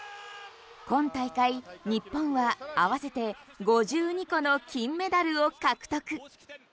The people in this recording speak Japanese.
今大会、日本は合わせて５２個の金メダルを獲得。